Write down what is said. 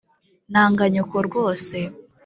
nanga nyoko rwose